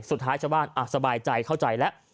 สุดท้ายชาวบ้านสบายใจเข้าใจแล้ว